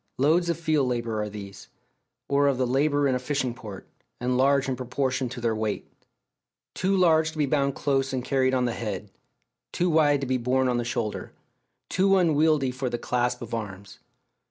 Loads of field labour are these, or of the labour in a fishing port, and large in proportion to their weight; too large to be bound close and carried on the head, too wide to be borne on the shoulder, too unwieldy for the clasp of arms.